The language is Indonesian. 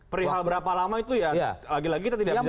perihal berapa lama itu ya lagi lagi kita tidak bisa